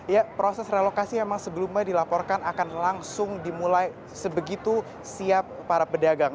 ya proses relokasi memang sebelumnya dilaporkan akan langsung dimulai sebegitu siap para pedagang